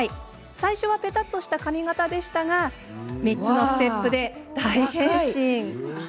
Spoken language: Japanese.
最初はぺたっとした髪形でしたが３つのステップで大変身。